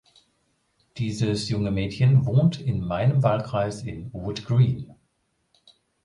Dieses junge Mädchen wohnt in meinem Wahlkreis in Wood Green.